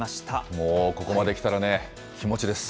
もうここまできたらね、気持ちです。